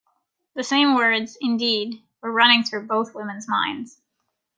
The same words, indeed, were running through both women's minds.